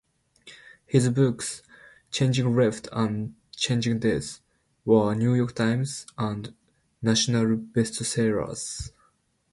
His books "Chasing Life" and "Cheating Death" were "New York Times" and national bestsellers.